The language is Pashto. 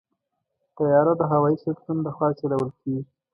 طیاره د هوايي شرکتونو لخوا چلول کېږي.